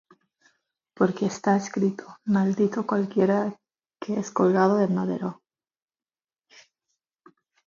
porque está escrito: Maldito cualquiera que es colgado en madero: